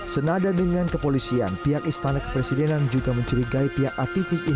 senada dengan kepolisian pihak istana kepresidenan juga mencurigai pihak aktivis